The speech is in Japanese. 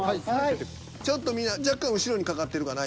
ちょっとみんな若干後ろにかかってるかな